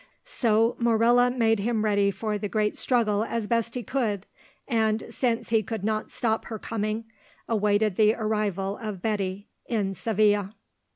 So Morella made him ready for the great struggle as best he could, and, since he could not stop her coming, awaited the arrival of Betty in Seville.